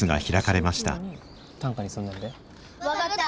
分かった！